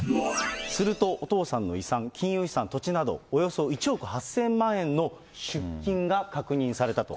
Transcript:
するとお父さんの遺産、金融資産、土地など、およそ１億８０００万円の出金が確認されたと。